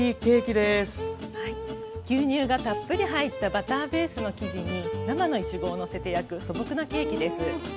牛乳がたっぷり入ったバターベースの生地に生のいちごをのせて焼く素朴なケーキです。